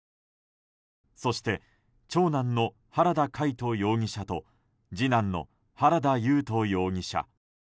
そして、長男の原田魁斗容疑者と次男の原田優斗容疑者。